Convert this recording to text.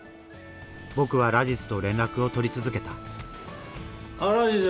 僕はラジズと連絡を取り続けたああラジズ！